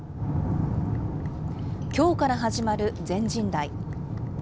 きょうから始まる全人代。